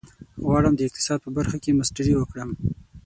غواړم د اقتصاد په برخه کې ماسټري وکړم.